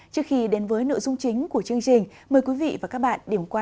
trước khi đến với nội dung chính của chương trình mời quý vị và các bạn điểm qua